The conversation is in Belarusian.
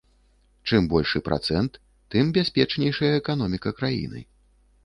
Чым большы працэнт, тым бяспечнейшая эканоміка краіны.